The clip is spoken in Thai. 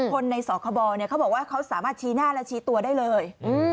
คนในสคบเขาบอกว่าเขาสามารถชี้หน้าและชี้ตัวได้เลย